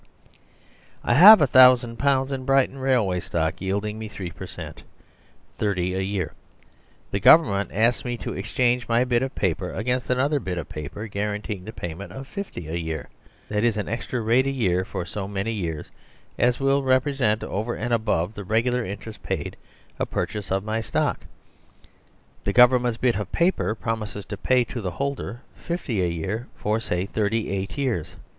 I have a thousand pounds in Brighton railway stock, yielding me 3 per cent. : ^30 a year. The Government asks me to exchange my bit of paper against another bit of paper guaranteeing the payment of ^50 a year, that is, an extra rate a year, for so many years as will represent over and above the regular interest paid a purchase of my stock. The Government's bit of paper promises to pay to the holder ^50 a year for, say, thirty eight years.